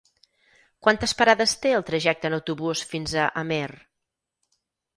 Quantes parades té el trajecte en autobús fins a Amer?